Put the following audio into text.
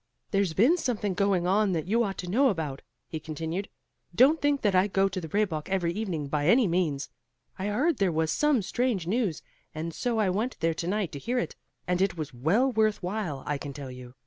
"There's been something going on that you ought to know about," he continued. "Don't think that I go to the Rehbock every evening, by any means! I heard there was some strange news, and so I went there to night to hear it, and it was well worth while, I can tell you.